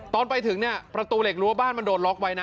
ตอนไปถึงเนี่ยประตูเหล็กรั้วบ้านมันโดนล็อกไว้นะ